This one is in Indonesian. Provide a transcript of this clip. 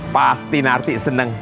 pasti narti seneng